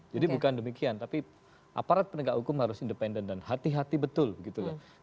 jadi bukan demikian tapi aparat penegakan hukum harus independen dan hati hati betul gitu kan